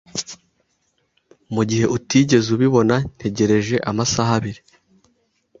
Mugihe utigeze ubibona, ntegereje amasaha abiri.